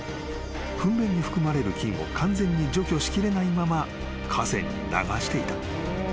［ふん便に含まれる菌を完全に除去しきれないまま河川に流していた］